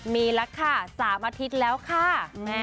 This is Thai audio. มีแล้วค่ะ๓อาทิตย์แล้วค่ะ